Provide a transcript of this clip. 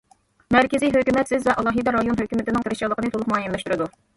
مەركىزىي ھۆكۈمەت سىز ۋە ئالاھىدە رايون ھۆكۈمىتىنىڭ تىرىشچانلىقىنى تولۇق مۇئەييەنلەشتۈرىدۇ.